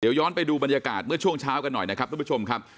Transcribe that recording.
เดี๋ยวย้อนไปดูบรรยากาศเมื่อช่วงเช้ากันหน่อยนะครับทุกผู้ชมครับ